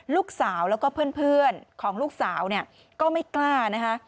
ลูกสาวแล้วก็เพื่อนของลูกสาวเนี่ยก็ไม่กล้านะคะ